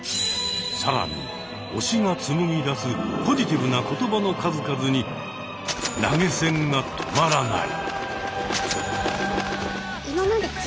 更に推しが紡ぎ出すポジティブな言葉の数々に投げ銭が止まらない！